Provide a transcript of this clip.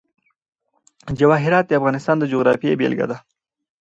جواهرات د افغانستان د جغرافیې بېلګه ده.